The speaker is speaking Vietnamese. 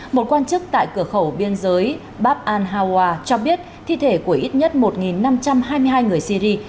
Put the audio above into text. một quan chức tại cửa khẩu biên giới bab al hawa cho biết thi thể của ít nhất một năm trăm hai mươi hai người syri